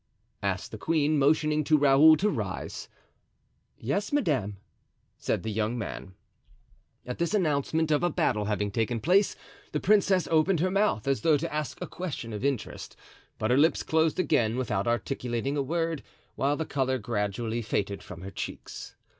asked the queen, motioning to Raoul to rise. "Yes, madame," said the young man. At this announcement of a battle having taken place, the princess opened her mouth as though to ask a question of interest; but her lips closed again without articulating a word, while the color gradually faded from her cheeks.